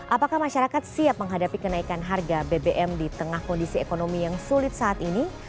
apakah masyarakat siap menghadapi kenaikan harga bbm di tengah kondisi ekonomi yang sulit saat ini